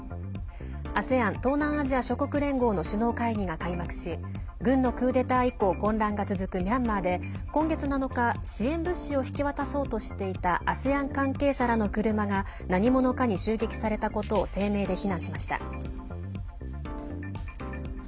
ＡＳＥＡＮ＝東南アジア諸国連合の首脳会議が開幕し軍のクーデター以降混乱が続くミャンマーで今月７日、支援物資を引き渡そうとしていたＡＳＥＡＮ関係者らの車が何者かに襲撃されたことを声明で非難しました。